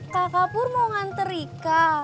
kakak pur mau nganter rika